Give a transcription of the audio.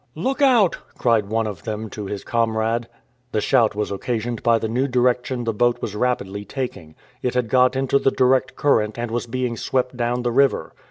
"Look out!" cried one of them to his comrade. The shout was occasioned by the new direction the boat was rapidly taking. It had got into the direct current and was being swept down the river.